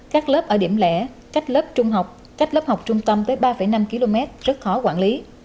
các lớp ở điểm lẻ cách lớp trung học cách lớp học trung tâm tới ba năm km rất khó quản lý